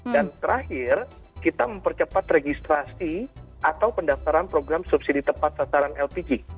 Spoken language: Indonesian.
dan terakhir kita mempercepat registrasi atau pendaftaran program subsidi tepat sasaran lpg